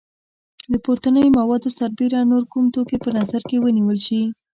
له پورتنیو موادو سربیره نور کوم توکي په نظر کې ونیول شي؟